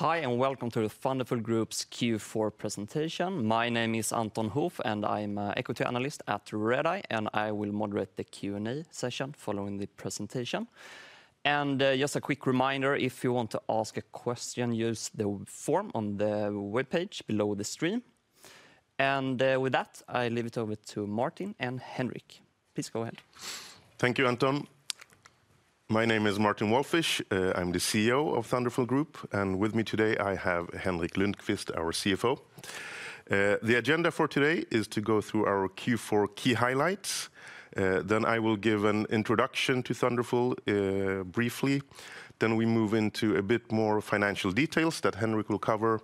Hi and welcome to the Thunderful Group's Q4 presentation. My name is Anton Hoof, and I'm an equity analyst at Redeye, and I will moderate the Q&A session following the presentation. And just a quick reminder, if you want to ask a question, use the form on the webpage below the stream. And with that, I leave it over to Martin and Henrik. Please go ahead. Thank you, Anton. My name is Martin Walfisz. I'm the CEO of Thunderful Group, and with me today I have Henrik Lundkvist, our CFO. The agenda for today is to go through our Q4 key highlights. Then I will give an introduction to Thunderful briefly. Then we move into a bit more financial details that Henrik will cover.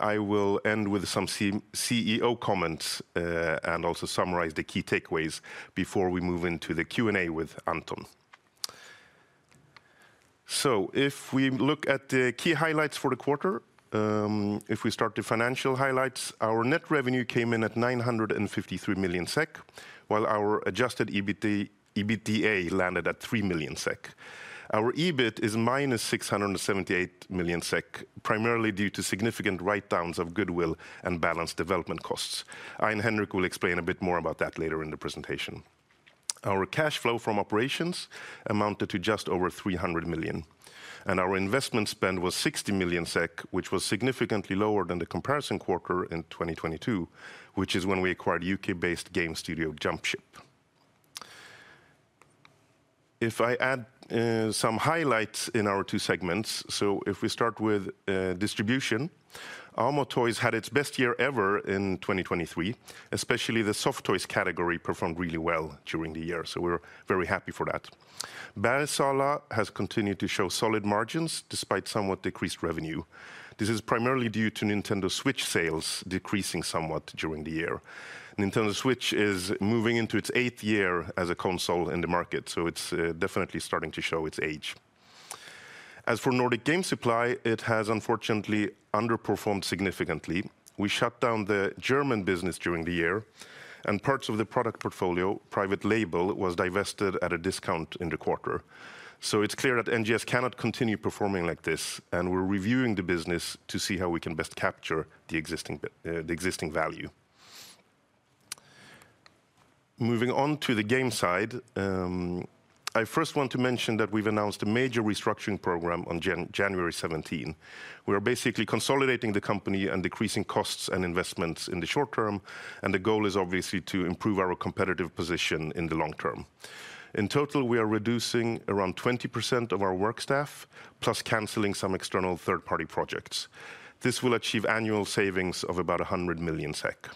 I will end with some CEO comments and also summarize the key takeaways before we move into the Q&A with Anton. So if we look at the key highlights for the quarter, if we start the financial highlights, our net revenue came in at 953 million SEK, while our Adjusted EBITDA landed at 3 million SEK. Our EBIT is -678 million SEK, primarily due to significant write-downs of goodwill and capitalized development costs. I and Henrik will explain a bit more about that later in the presentation. Our cash flow from operations amounted to just over 300 million. Our investment spend was 60 million SEK, which was significantly lower than the comparison quarter in 2022, which is when we acquired UK-based game studio Jumpship. If I add some highlights in our two segments, so if we start with distribution, Amo Toys had its best year ever in 2023, especially the soft toys category performed really well during the year, so we're very happy for that. Bergsala has continued to show solid margins despite somewhat decreased revenue. This is primarily due to Nintendo Switch sales decreasing somewhat during the year. Nintendo Switch is moving into its eighth year as a console in the market, so it's definitely starting to show its age. As for Nordic Game Supply, it has unfortunately underperformed significantly. We shut down the German business during the year, and parts of the product portfolio, private label, was divested at a discount in the quarter. So it's clear that NGS cannot continue performing like this, and we're reviewing the business to see how we can best capture the existing value. Moving on to the game side, I first want to mention that we've announced a major restructuring program on January 17. We are basically consolidating the company and decreasing costs and investments in the short term, and the goal is obviously to improve our competitive position in the long term. In total, we are reducing around 20% of our work staff, plus canceling some external third-party projects. This will achieve annual savings of about 100 million SEK.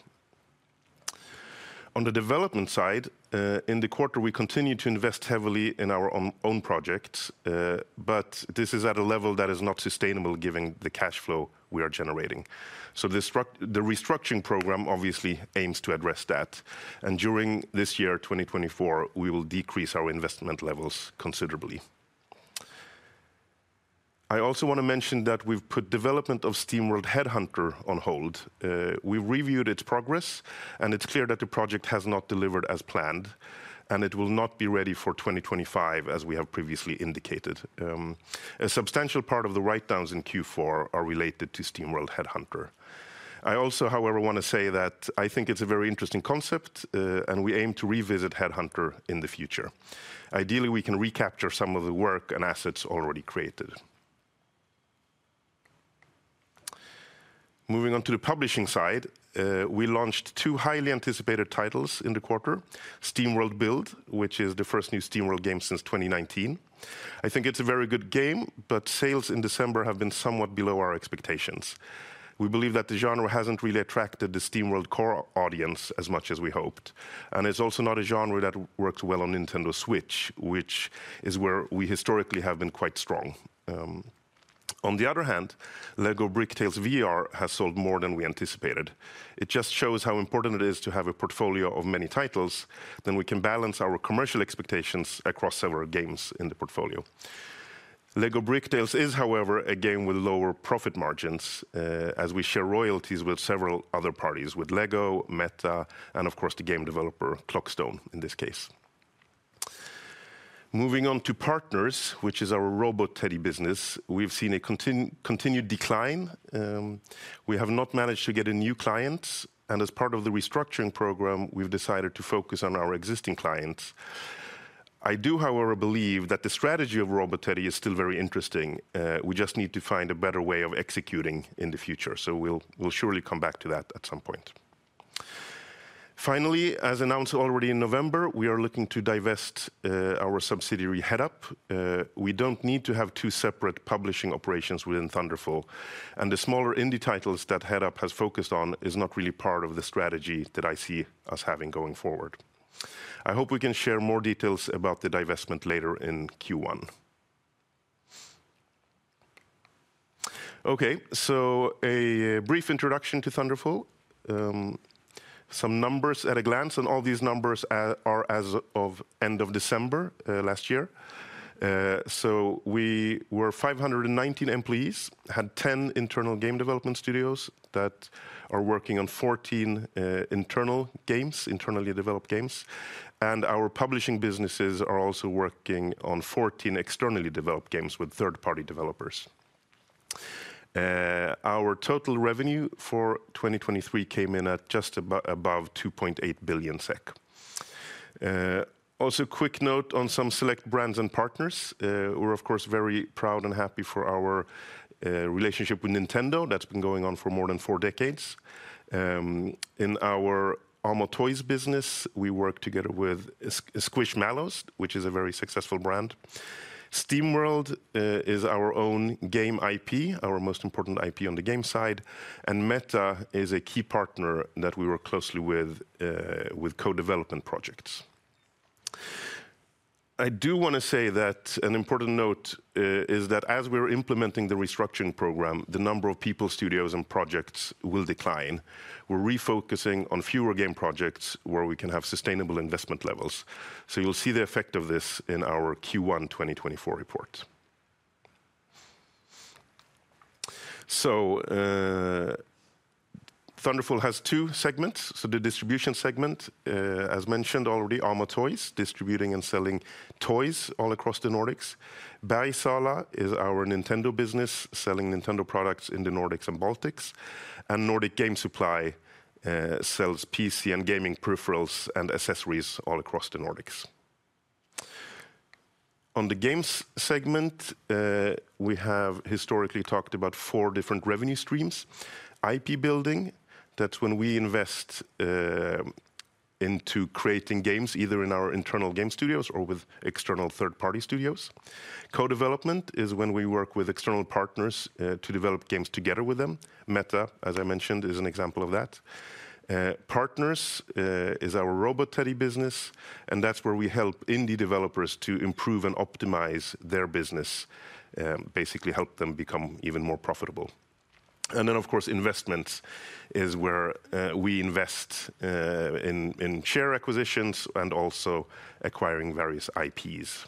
On the development side, in the quarter we continue to invest heavily in our own projects, but this is at a level that is not sustainable given the cash flow we are generating. So the restructuring program obviously aims to address that. And during this year, 2024, we will decrease our investment levels considerably. I also want to mention that we've put development of SteamWorld Headhunter on hold. We've reviewed its progress, and it's clear that the project has not delivered as planned, and it will not be ready for 2025 as we have previously indicated. A substantial part of the write-downs in Q4 are related to SteamWorld Headhunter. I also, however, want to say that I think it's a very interesting concept, and we aim to revisit Headhunter in the future. Ideally, we can recapture some of the work and assets already created. Moving on to the publishing side, we launched two highly anticipated titles in the quarter: SteamWorld Build, which is the first new SteamWorld game since 2019. I think it's a very good game, but sales in December have been somewhat below our expectations. We believe that the genre hasn't really attracted the SteamWorld core audience as much as we hoped. And it's also not a genre that works well on Nintendo Switch, which is where we historically have been quite strong. On the other hand, LEGO Bricktales VR has sold more than we anticipated. It just shows how important it is to have a portfolio of many titles than we can balance our commercial expectations across several games in the portfolio. LEGO Bricktales is, however, a game with lower profit margins as we share royalties with several other parties, with LEGO, Meta, and of course the game developer Clockstone in this case. Moving on to partners, which is our Robot Teddy business, we've seen a continued decline. We have not managed to get a new client, and as part of the restructuring program, we've decided to focus on our existing clients. I do, however, believe that the strategy of Robot Teddy is still very interesting. We just need to find a better way of executing in the future, so we'll surely come back to that at some point. Finally, as announced already in November, we are looking to divest our subsidiary Headup. We don't need to have two separate publishing operations within Thunderful, and the smaller indie titles that Headup has focused on are not really part of the strategy that I see us having going forward. I hope we can share more details about the divestment later in Q1. Okay, so a brief introduction to Thunderful. Some numbers at a glance, and all these numbers are as of end of December last year. So we were 519 employees, had 10 internal game development studios that are working on 14 internal games, internally developed games, and our publishing businesses are also working on 14 externally developed games with third-party developers. Our total revenue for 2023 came in at just above 2.8 billion SEK. Also a quick note on some select brands and partners. We're, of course, very proud and happy for our relationship with Nintendo that's been going on for more than four decades. In our Amo Toys business, we work together with Squishmallows, which is a very successful brand. SteamWorld is our own game IP, our most important IP on the game side, and Meta is a key partner that we work closely with co-development projects. I do want to say that an important note is that as we're implementing the restructuring program, the number of people, studios, and projects will decline. We're refocusing on fewer game projects where we can have sustainable investment levels. You'll see the effect of this in our Q1 2024 report. Thunderful has two segments. The distribution segment, as mentioned already, Amo Toys, distributing and selling toys all across the Nordics. Bergsala is our Nintendo business, selling Nintendo products in the Nordics and Baltics. Nordic Game Supply sells PC and gaming peripherals and accessories all across the Nordics. On the games segment, we have historically talked about four different revenue streams: IP building, that's when we invest into creating games either in our internal game studios or with external third-party studios. Co-development is when we work with external partners to develop games together with them. Meta, as I mentioned, is an example of that. Partners is our Robot Teddy business, and that's where we help indie developers to improve and optimize their business, basically help them become even more profitable. And then, of course, investments is where we invest in share acquisitions and also acquiring various IPs.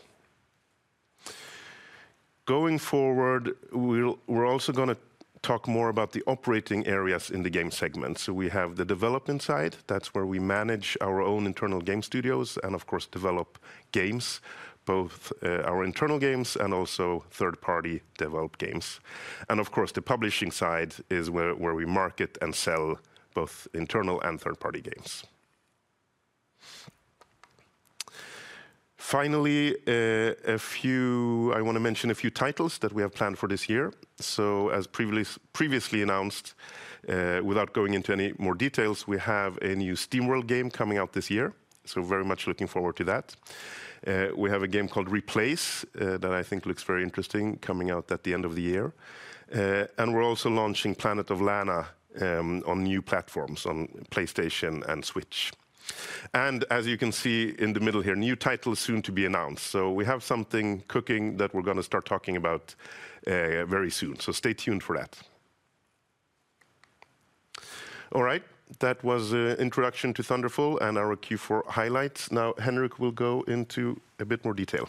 Going forward, we're also going to talk more about the operating areas in the game segment. We have the development side. That's where we manage our own internal game studios and, of course, develop games, both our internal games and also third-party developed games. And of course, the publishing side is where we market and sell both internal and third-party games. Finally, I want to mention a few titles that we have planned for this year. So as previously announced, without going into any more details, we have a new SteamWorld game coming out this year. So very much looking forward to that. We have a game called Replaced that I think looks very interesting coming out at the end of the year. And we're also launching Planet of Lana on new platforms, on PlayStation and Switch. And as you can see in the middle here, new titles soon to be announced. So we have something cooking that we're going to start talking about very soon. So stay tuned for that. All right, that was an introduction to Thunderful and our Q4 highlights. Now Henrik will go into a bit more detail.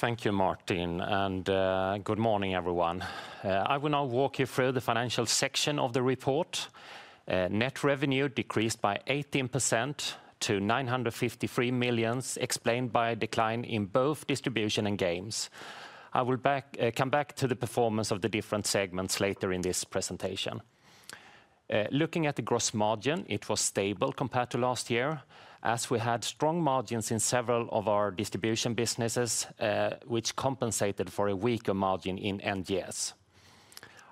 Thank you, Martin. And good morning, everyone. I will now walk you through the financial section of the report. Net revenue decreased by 18% to 953 million, explained by a decline in both distribution and games. I will come back to the performance of the different segments later in this presentation. Looking at the gross margin, it was stable compared to last year, as we had strong margins in several of our distribution businesses, which compensated for a weaker margin in NGS.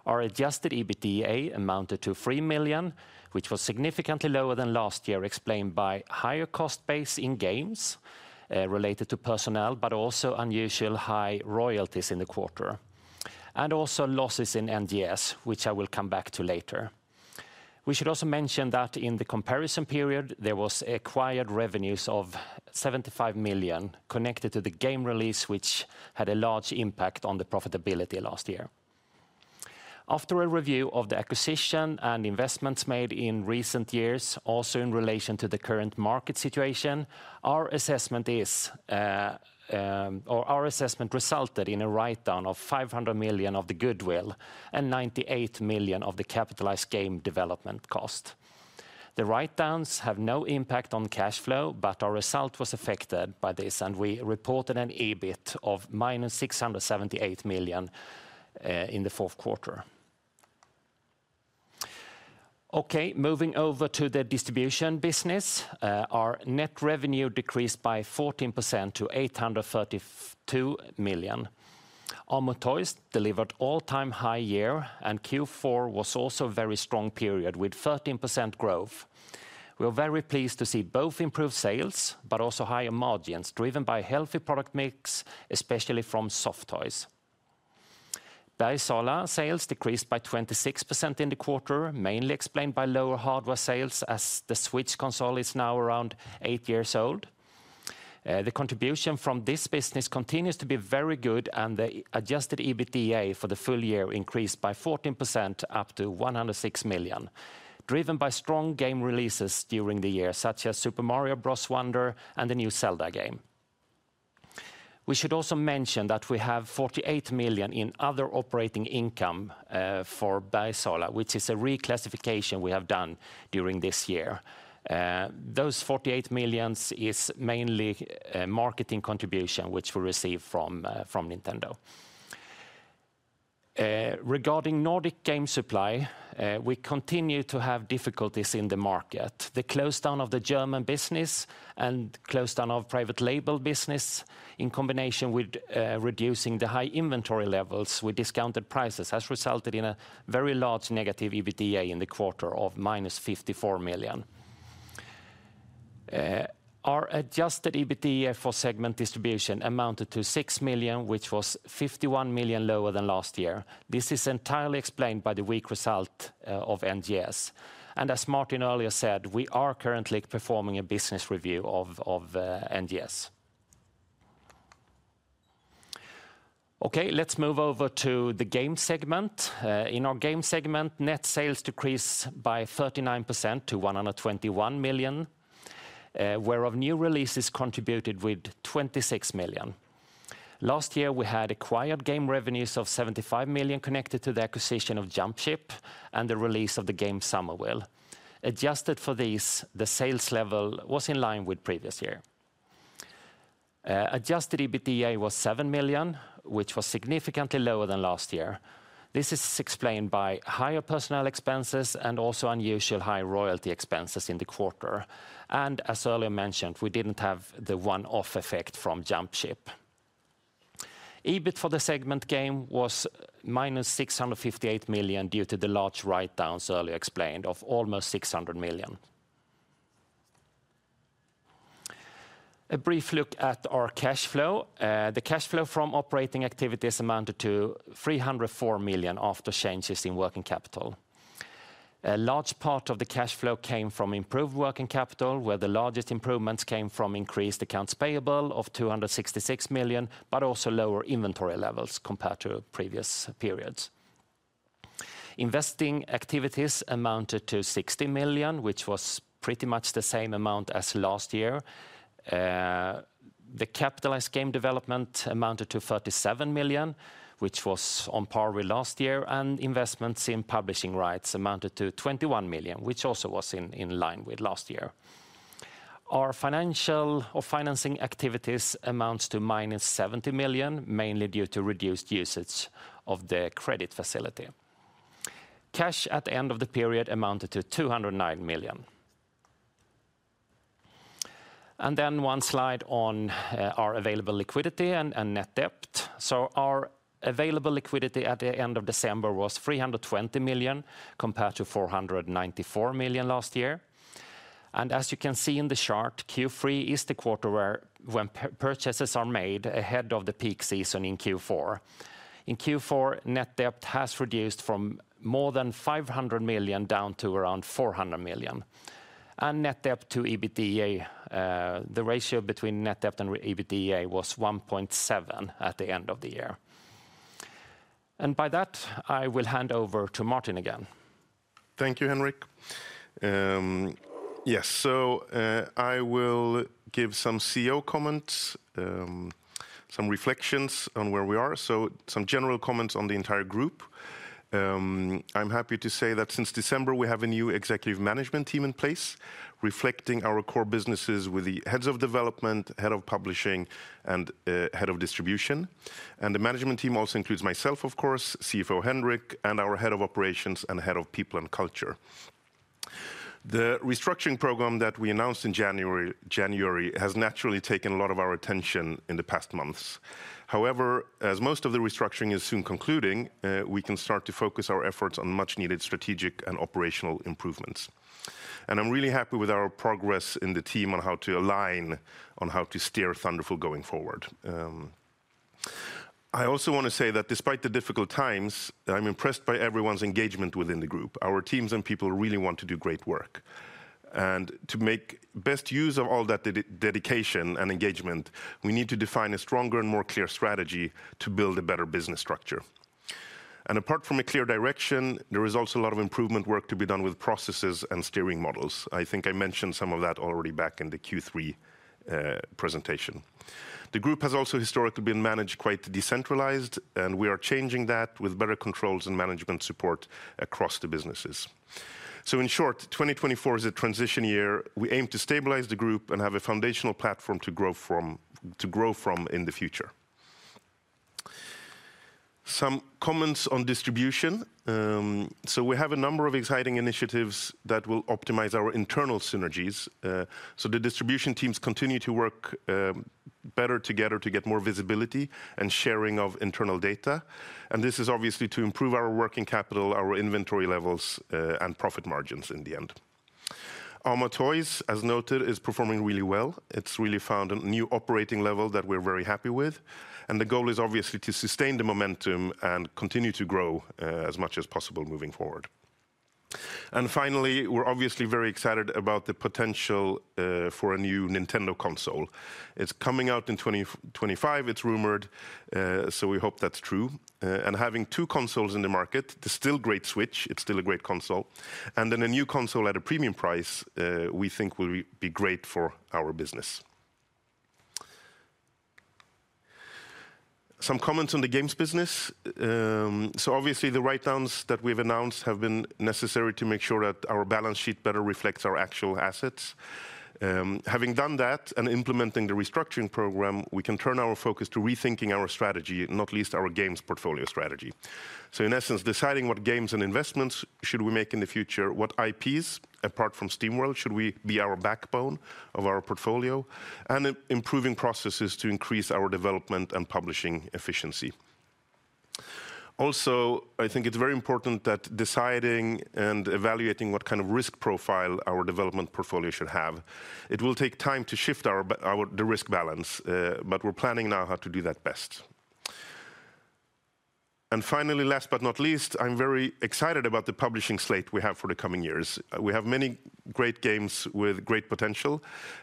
Our adjusted EBITDA amounted to 3 million, which was significantly lower than last year, explained by higher cost base in games related to personnel, but also unusual high royalties in the quarter, and also losses in NGS, which I will come back to later. We should also mention that in the comparison period, there were acquired revenues of 75 million connected to the game release, which had a large impact on the profitability last year. After a review of the acquisition and investments made in recent years, also in relation to the current market situation, our assessment resulted in a write-down of 500 million of the goodwill and 98 million of the capitalized game development cost. The write-downs have no impact on cash flow, but our result was affected by this, and we reported an EBIT of -678 million in the fourth quarter. Okay, moving over to the distribution business, our net revenue decreased by 14% to 832 million. Amo Toys delivered an all-time high year, and Q4 was also a very strong period with 13% growth. We are very pleased to see both improved sales, but also higher margins driven by a healthy product mix, especially from soft toys. Bergsala sales decreased by 26% in the quarter, mainly explained by lower hardware sales, as the Switch console is now around eight years old. The contribution from this business continues to be very good, and the adjusted EBITDA for the full year increased by 14% up to 106 million, driven by strong game releases during the year, such as Super Mario Bros. Wonder and the new Zelda game. We should also mention that we have 48 million in other operating income for Bergsala, which is a reclassification we have done during this year. Those 48 millions are mainly marketing contributions, which we receive from Nintendo. Regarding Nordic Game Supply, we continue to have difficulties in the market. The closed down of the German business and closed down of private label business, in combination with reducing the high inventory levels with discounted prices, has resulted in a very large negative EBITDA in the quarter of -54 million. Our adjusted EBITDA for segment distribution amounted to 6 million, which was 51 million lower than last year. This is entirely explained by the weak result of NGS. As Martin earlier said, we are currently performing a business review of NGS. Okay, let's move over to the game segment. In our game segment, net sales decreased by 39% to 121 million, whereof new releases contributed with 26 million. Last year, we had acquired game revenues of 75 million connected to the acquisition of Jumpship and the release of the game Somerville. Adjusted for these, the sales level was in line with previous year. Adjusted EBITDA was 7 million, which was significantly lower than last year. This is explained by higher personnel expenses and also unusually high royalty expenses in the quarter. As earlier mentioned, we didn't have the one-off effect from Jumpship. EBIT for the segment game was -658 million due to the large write-downs earlier explained of almost 600 million. A brief look at our cash flow. The cash flow from operating activities amounted to 304 million after changes in working capital. A large part of the cash flow came from improved working capital, where the largest improvements came from increased accounts payable of 266 million, but also lower inventory levels compared to previous periods. Investing activities amounted to 60 million, which was pretty much the same amount as last year. The capitalized game development amounted to 37 million, which was on par with last year, and investments in publishing rights amounted to 21 million, which also was in line with last year. Our financial or financing activities amount to -70 million, mainly due to reduced usage of the credit facility. Cash at the end of the period amounted to 209 million. And then one slide on our available liquidity and net debt. So our available liquidity at the end of December was 320 million compared to 494 million last year. And as you can see in the chart, Q3 is the quarter when purchases are made ahead of the peak season in Q4. In Q4, net debt has reduced from more than 500 million down to around 400 million. And net debt to EBITDA, the ratio between net debt and EBITDA was 1.7 at the end of the year. By that, I will hand over to Martin again. Thank you, Henrik. Yes, so I will give some CEO comments, some reflections on where we are, so some general comments on the entire group. I'm happy to say that since December, we have a new executive management team in place, reflecting our core businesses with the heads of development, head of publishing, and head of distribution. And the management team also includes myself, of course, CFO Henrik, and our head of operations and head of people and culture. The restructuring program that we announced in January has naturally taken a lot of our attention in the past months. However, as most of the restructuring is soon concluding, we can start to focus our efforts on much-needed strategic and operational improvements. I'm really happy with our progress in the team on how to align, on how to steer Thunderful going forward. I also want to say that despite the difficult times, I'm impressed by everyone's engagement within the group. Our teams and people really want to do great work. To make best use of all that dedication and engagement, we need to define a stronger and more clear strategy to build a better business structure. Apart from a clear direction, there is also a lot of improvement work to be done with processes and steering models. I think I mentioned some of that already back in the Q3 presentation. The group has also historically been managed quite decentralized, and we are changing that with better controls and management support across the businesses. In short, 2024 is a transition year. We aim to stabilize the group and have a foundational platform to grow from in the future. Some comments on distribution. We have a number of exciting initiatives that will optimize our internal synergies. The distribution teams continue to work better together to get more visibility and sharing of internal data. This is obviously to improve our working capital, our inventory levels, and profit margins in the end. Amo Toys, as noted, is performing really well. It's really found a new operating level that we're very happy with. The goal is obviously to sustain the momentum and continue to grow as much as possible moving forward. Finally, we're obviously very excited about the potential for a new Nintendo console. It's coming out in 2025, it's rumored. We hope that's true. Having two consoles in the market, it's still a great Switch. It's still a great console. Then a new console at a premium price, we think, will be great for our business. Some comments on the games business. Obviously, the write-downs that we've announced have been necessary to make sure that our balance sheet better reflects our actual assets. Having done that and implementing the restructuring program, we can turn our focus to rethinking our strategy, not least our games portfolio strategy. In essence, deciding what games and investments should we make in the future, what IPs, apart from SteamWorld, should we be our backbone of our portfolio, and improving processes to increase our development and publishing efficiency. Also, I think it's very important that deciding and evaluating what kind of risk profile our development portfolio should have, it will take time to shift the risk balance, but we're planning now how to do that best. Finally, last but not least, I'm very excited about the publishing slate we have for the coming years. We have many great games with great potential.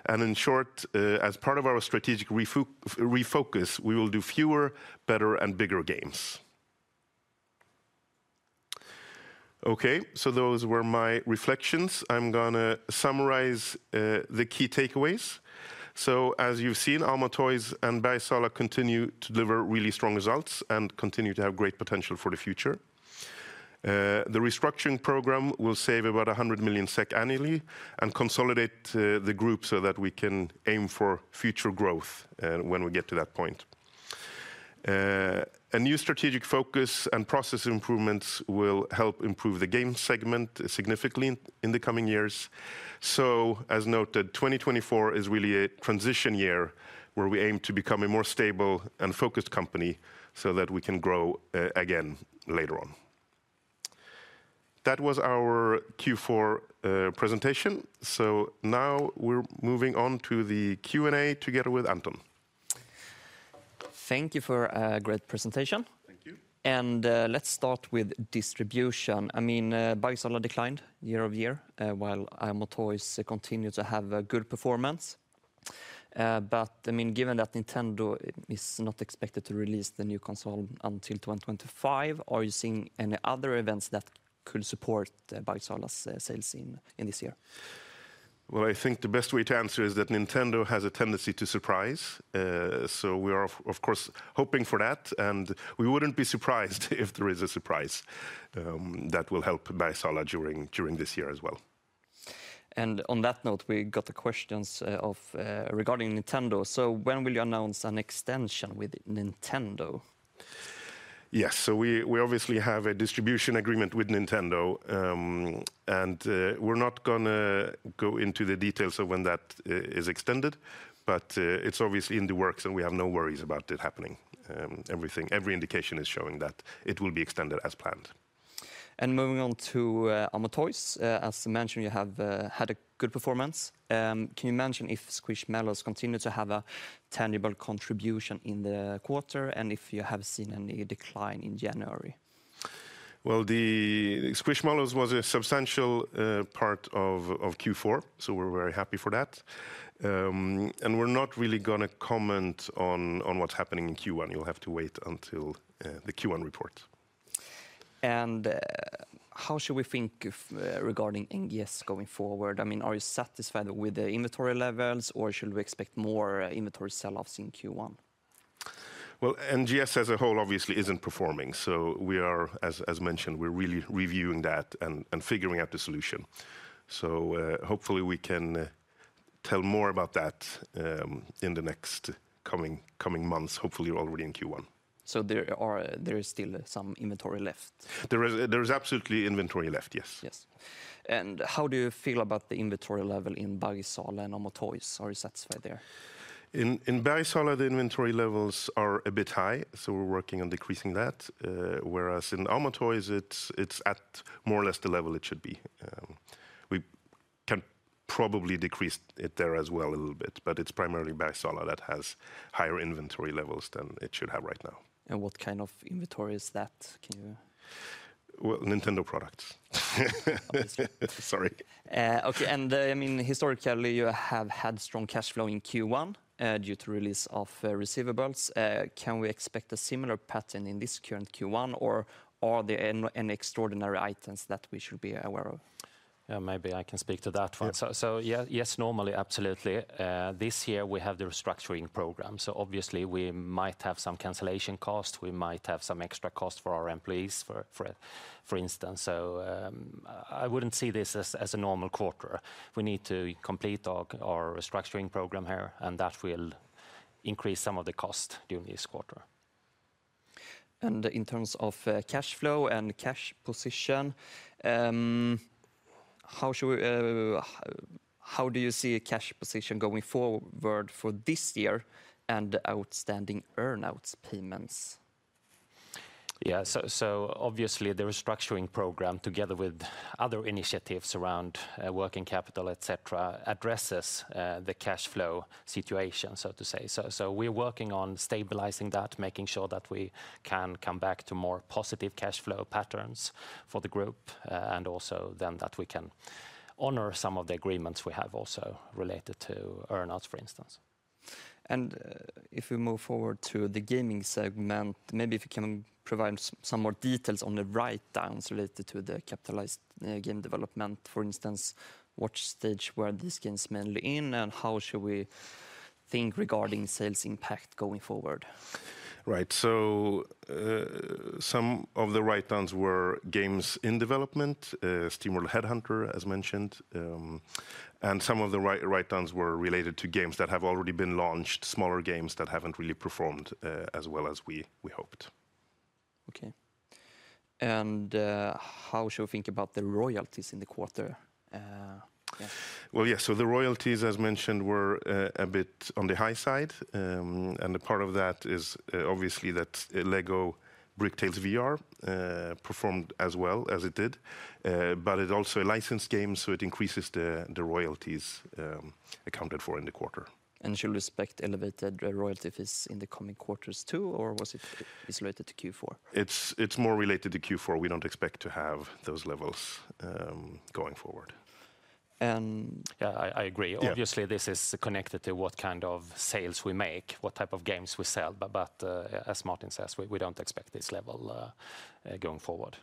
In short, as part of our strategic refocus, we will do fewer, better, and bigger games. Okay, so those were my reflections. I'm going to summarize the key takeaways. As you've seen, Amo Toys and Bergsala continue to deliver really strong results and continue to have great potential for the future. The restructuring program will save about 100 million SEK annually and consolidate the group so that we can aim for future growth when we get to that point. A new strategic focus and process improvements will help improve the games segment significantly in the coming years. As noted, 2024 is really a transition year where we aim to become a more stable and focused company so that we can grow again later on. That was our Q4 presentation. Now we're moving on to the Q&A together with Anton. Thank you for a great presentation. Thank you. Let's start with distribution. I mean, Bergsala declined year over year while Amo Toys continued to have good performance. But I mean, given that Nintendo is not expected to release the new console until 2025, are you seeing any other events that could support Bergsala's sales in this year? Well, I think the best way to answer is that Nintendo has a tendency to surprise. So we are, of course, hoping for that. And we wouldn't be surprised if there is a surprise that will help Bergsala during this year as well. On that note, we got the questions regarding Nintendo. When will you announce an extension with Nintendo? Yes, so we obviously have a distribution agreement with Nintendo. We're not going to go into the details of when that is extended. It's obviously in the works, and we have no worries about it happening. Every indication is showing that it will be extended as planned. Moving on to Amo Toys. As mentioned, you have had a good performance. Can you mention if Squishmallows continued to have a tangible contribution in the quarter and if you have seen any decline in January? Well, the Squishmallows was a substantial part of Q4, so we're very happy for that. We're not really going to comment on what's happening in Q1. You'll have to wait until the Q1 report. How should we think regarding NGS going forward? I mean, are you satisfied with the inventory levels, or should we expect more inventory selloffs in Q1? Well, NGS as a whole obviously isn't performing. So as mentioned, we're really reviewing that and figuring out the solution. So hopefully, we can tell more about that in the next coming months. Hopefully, already in Q1. So there is still some inventory left? There is absolutely inventory left, yes. Yes. How do you feel about the inventory level in Bergsala and Amo Toys? Are you satisfied there? In Bergsala, the inventory levels are a bit high, so we're working on decreasing that. Whereas in Amo Toys, it's at more or less the level it should be. We can probably decrease it there as well a little bit. But it's primarily Bergsala that has higher inventory levels than it should have right now. What kind of inventory is that? Can you? Well, Nintendo products. Sorry. Okay, and I mean, historically, you have had strong cash flow in Q1 due to release of receivables. Can we expect a similar pattern in this current Q1, or are there any extraordinary items that we should be aware of? Yeah, maybe I can speak to that one. So yes, normally, absolutely. This year, we have the restructuring program. So obviously, we might have some cancellation costs. We might have some extra costs for our employees, for instance. So I wouldn't see this as a normal quarter. We need to complete our restructuring program here, and that will increase some of the costs during this quarter. In terms of cash flow and cash position, how do you see cash position going forward for this year and outstanding earnouts payments? Yeah, so obviously, the restructuring program, together with other initiatives around working capital, et cetera, addresses the cash flow situation, so to say. So we're working on stabilizing that, making sure that we can come back to more positive cash flow patterns for the group, and also then that we can honor some of the agreements we have also related to earnouts, for instance. If we move forward to the gaming segment, maybe if you can provide some more details on the write-downs related to the capitalized game development, for instance, what stage were these games mainly in, and how should we think regarding sales impact going forward? Right, so some of the write-downs were games in development, SteamWorld Headhunter, as mentioned. Some of the write-downs were related to games that have already been launched, smaller games that haven't really performed as well as we hoped. Okay. How should we think about the royalties in the quarter? Well, yes, so the royalties, as mentioned, were a bit on the high side. And part of that is obviously that LEGO Bricktales VR performed as well as it did. But it's also a licensed game, so it increases the royalties accounted for in the quarter. Should we expect elevated royalty fees in the coming quarters too, or was it related to Q4? It's more related to Q4. We don't expect to have those levels going forward. And. Yeah, I agree. Obviously, this is connected to what kind of sales we make, what type of games we sell. But as Martin says, we don't expect this level going forward.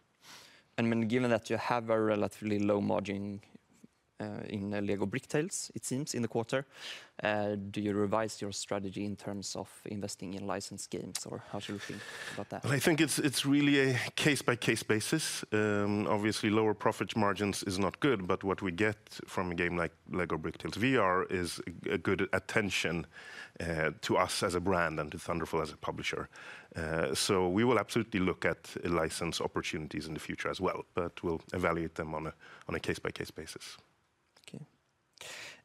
Given that you have a relatively low margin in LEGO Bricktales, it seems, in the quarter, do you revise your strategy in terms of investing in licensed games, or how should we think about that? Well, I think it's really a case-by-case basis. Obviously, lower profit margins is not good, but what we get from a game like LEGO Bricktales VR is good attention to us as a brand and to Thunderful as a publisher. So we will absolutely look at license opportunities in the future as well, but we'll evaluate them on a case-by-case basis.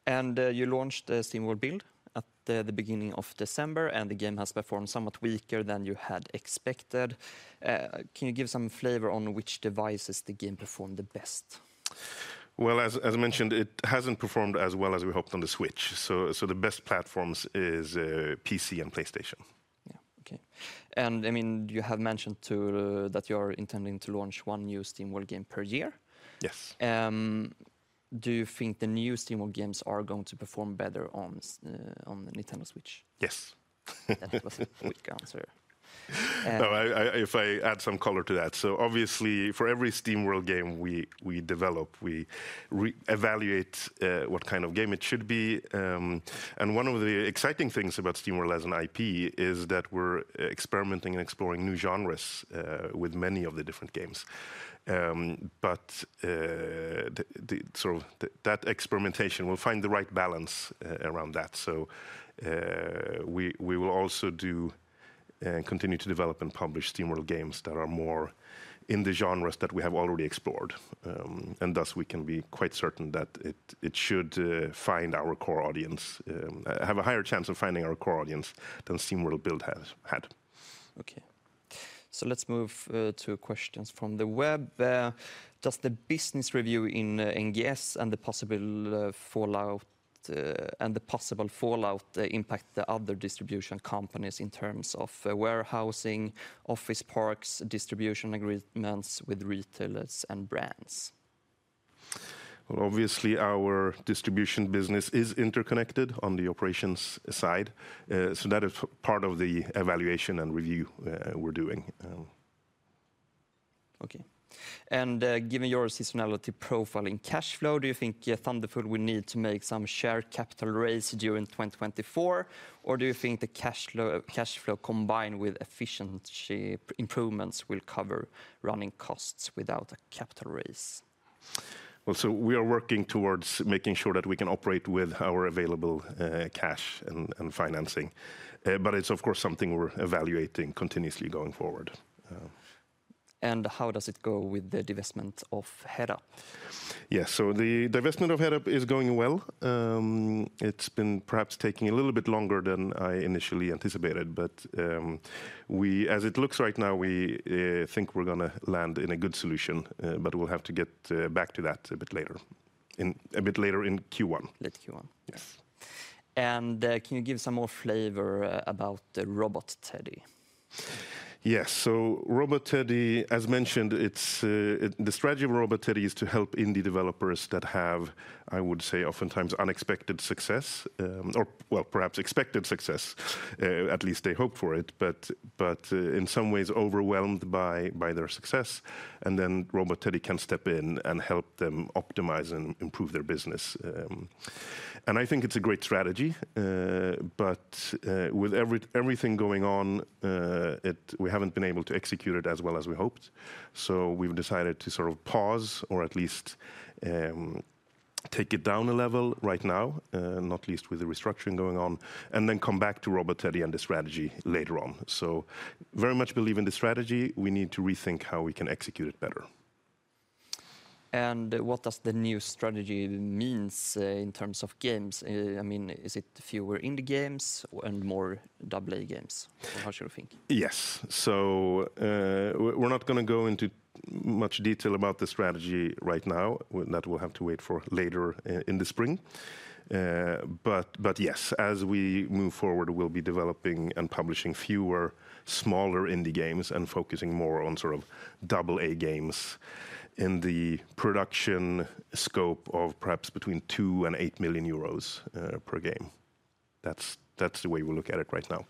Okay. And you launched SteamWorld Build at the beginning of December, and the game has performed somewhat weaker than you had expected. Can you give some flavor on which devices the game performed the best? Well, as mentioned, it hasn't performed as well as we hoped on the Switch. The best platforms are PC and PlayStation. Yeah, okay. I mean, you have mentioned that you are intending to launch one new SteamWorld game per year. Yes. Do you think the new SteamWorld games are going to perform better on the Nintendo Switch? Yes. That was a weak answer. No, if I add some color to that. So obviously, for every SteamWorld game we develop, we evaluate what kind of game it should be. And one of the exciting things about SteamWorld as an IP is that we're experimenting and exploring new genres with many of the different games. But that experimentation, we'll find the right balance around that. So we will also continue to develop and publish SteamWorld games that are more in the genres that we have already explored. And thus, we can be quite certain that it should find our core audience, have a higher chance of finding our core audience than SteamWorld Build had. Okay. Let's move to questions from the web. Does the business review in NGS and the possible fallout impact the other distribution companies in terms of warehousing, office parks, distribution agreements with retailers and brands? Well, obviously, our distribution business is interconnected on the operations side. That is part of the evaluation and review we're doing. Okay. And given your seasonality profile in cash flow, do you think Thunderful will need to make some share capital raise during 2024, or do you think the cash flow combined with efficiency improvements will cover running costs without a capital raise? Well, so we are working towards making sure that we can operate with our available cash and financing. But it's, of course, something we're evaluating continuously going forward. How does it go with the development of Headup? Yes, so the development of Headup is going well. It's been perhaps taking a little bit longer than I initially anticipated. But as it looks right now, we think we're going to land in a good solution. But we'll have to get back to that a bit later, a bit later in Q1. Late Q1. Yes. Can you give some more flavor about the Robot Teddy? Yes, so Robot Teddy, as mentioned, the strategy of Robot Teddy is to help indie developers that have, I would say, oftentimes unexpected success, or well, perhaps expected success. At least, they hope for it, but in some ways overwhelmed by their success. And then Robot Teddy can step in and help them optimize and improve their business. And I think it's a great strategy. But with everything going on, we haven't been able to execute it as well as we hoped. So we've decided to sort of pause, or at least take it down a level right now, not least with the restructuring going on, and then come back to Robot Teddy and the strategy later on. So very much believe in the strategy. We need to rethink how we can execute it better. What does the new strategy mean in terms of games? I mean, is it fewer indie games and more AAA games? How should we think? Yes, so we're not going to go into much detail about the strategy right now. That will have to wait for later in the spring. But yes, as we move forward, we'll be developing and publishing fewer smaller indie games and focusing more on sort of AAA games in the production scope of perhaps between 2 million and 8 million euros per game. That's the way we look at it right now.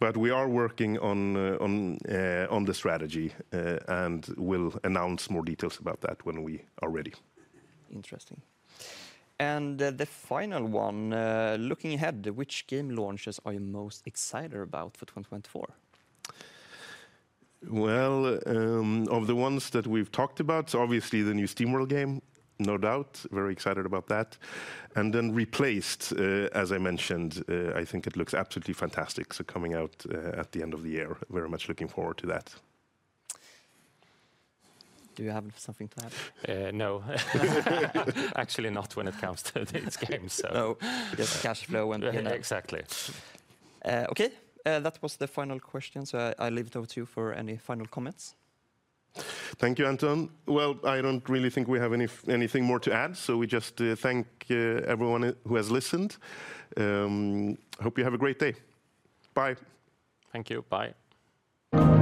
But we are working on the strategy, and we'll announce more details about that when we are ready. Interesting. The final one, looking ahead, which game launches are you most excited about for 2024? Well, of the ones that we've talked about, so obviously, the new SteamWorld game, no doubt. Very excited about that. And then Replaced, as I mentioned. I think it looks absolutely fantastic. So coming out at the end of the year. Very much looking forward to that. Do you have something to add? No. Actually, not when it comes to these games, so. No. Just cash flow and Headup. Exactly. Okay, that was the final question. So I leave it over to you for any final comments. Thank you, Anton. Well, I don't really think we have anything more to add. So we just thank everyone who has listened. Hope you have a great day. Bye. Thank you. Bye.